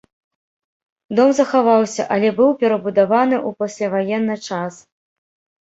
Дом захаваўся, але быў перабудаваны ў пасляваенны час.